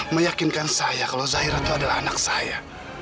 meyakinkan saya kalau zahira itu adalah anak saya